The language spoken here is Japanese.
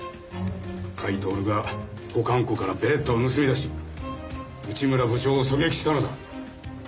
甲斐享が保管庫からベレッタを盗み出し内村部長を狙撃したのだ。